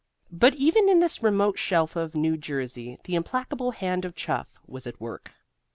But even in this remote shelf of New Jersey the implacable hand of Chuff was at work.